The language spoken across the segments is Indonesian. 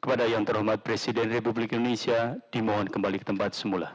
penanda tanganan berita acara pengangkatan sumpah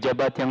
jabatan